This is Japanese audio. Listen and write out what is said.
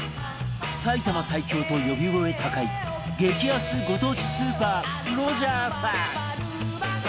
埼玉最強と呼び声高い激安ご当地スーパーロヂャース